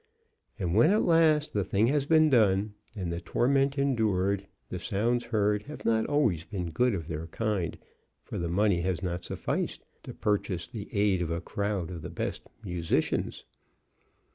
And when at last the thing has been done, and the torment endured, the sounds heard have not always been good of their kind, for the money has not sufficed to purchase the aid of a crowd of the best musicians.